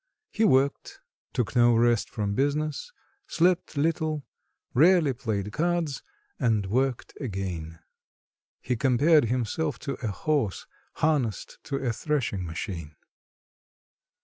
He worked, took no rest from business, slept little, rarely played cards, and worked again. He compared himself to a horse harnessed to a threshing machine.